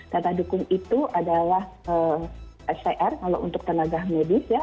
data dukung itu adalah scr kalau untuk tenaga medis ya